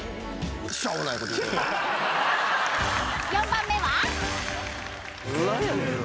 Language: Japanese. ［４番目は？］